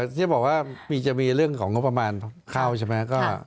ที่บอกว่าจะมีเรื่องของงบประมาณเข้าใช่ไหม